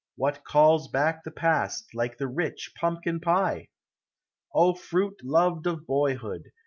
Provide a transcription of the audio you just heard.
What calls back the past, like the rich pumpkin pie? O, fruit loved of boyhood!